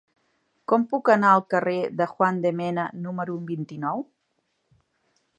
Com puc anar al carrer de Juan de Mena número vint-i-nou?